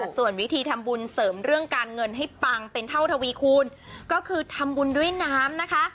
ส่วนวิธีทำบุญเสริมเรื่องการเงินให้ปังเป็นเท่าทวีคูณก็คือทำบุญด้วยน้ำนะคะ